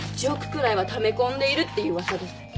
１億くらいはため込んでいるっていう噂です。